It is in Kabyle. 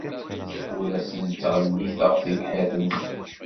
Ur asen-ttɣelliteɣ tibḥirt-nsen.